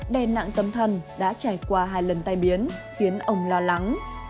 đè nặng tâm thần đã trải qua hai lần tai biến khiến ông lo lắng